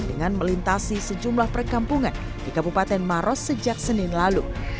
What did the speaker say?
dengan melintasi sejumlah perkampungan di kabupaten maros sejak senin lalu